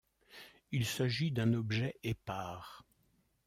Il s'agit d'un objet épars.